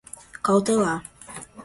cautelar